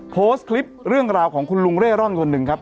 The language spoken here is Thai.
โพสต์คลิปเรื่องราวของคุณลุงเร่ร่อนคนหนึ่งครับ